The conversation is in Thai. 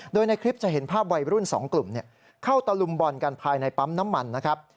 โดยในคลิปจะเห็นภาพวัยรุ่น๒กลุ่มเข้าตะลุมบอลกันภายในปั๊มน้ำมันนะครับ